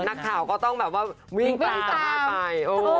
นักข่าวก็ต้องแบบว่าวิ่งไปสัมภาษณ์ไป